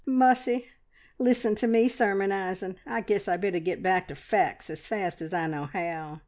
"Mussy! Listen to me sermonising. I guess I'd better get back to facts as fast as I know how.